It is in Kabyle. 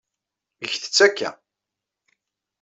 Get-tt akka.